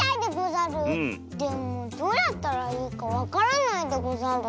でもどうやったらいいかわからないでござる。